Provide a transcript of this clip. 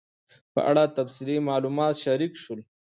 په اړه تفصیلي معلومات شریک سول